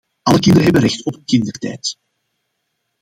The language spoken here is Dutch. Alle kinderen hebben recht op hun kindertijd!